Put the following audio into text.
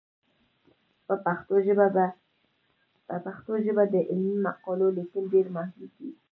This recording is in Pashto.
په پښتو ژبه د علمي مقالو لیکل ډېر محدود دي.